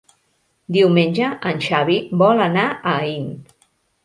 Diumenge en Xavi vol anar a Aín.